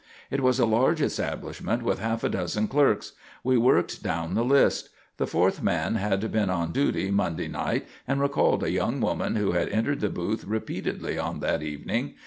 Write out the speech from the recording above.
It was a large establishment with half a dozen clerks. We worked down the list. The fourth man had been on duty Monday night and recalled a young woman who had entered the booth repeatedly on that evening.